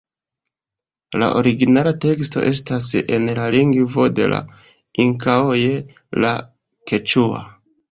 La originala teksto estas en la lingvo de la Inkaoj la keĉua.